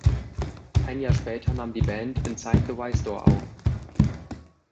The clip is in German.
Ein Jahr später nahm die Band „Inside the Why Store“ auf.